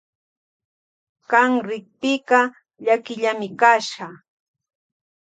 Kan rikpika llakillami kasha.